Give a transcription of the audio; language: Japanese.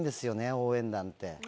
応援団って。